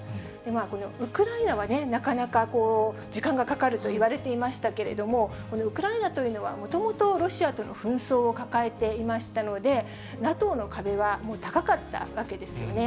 このウクライナは、なかなか時間がかかるといわれていましたけれども、このウクライナというのは、もともとロシアとの紛争を抱えていましたので、ＮＡＴＯの壁は高かったわけですよね。